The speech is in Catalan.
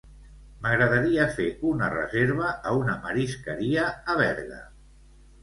M'agradaria fer una reserva a una marisqueria a Berga.